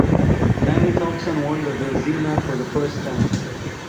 Tiny Thompson won the Vezina for the first time.